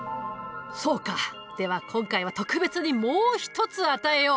そうかでは今回は特別にもう一つ与えよう。